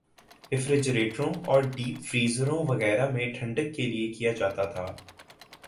ریفریجریٹروں اور ڈیپ فریزروں وغیرہ میں ٹھنڈک کیلئے کیا جاتا تھا